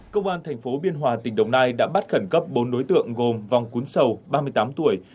công an thành phố biên hòa tỉnh đồng nai đã bắt khẩn cấp bốn đối tượng gồm vòng cún sầu ba mươi tám tuổi